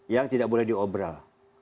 yang tidak boleh diobrol